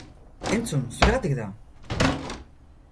Entzun, zuregatik da!